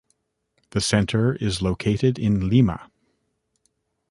The Centre is located in Lima.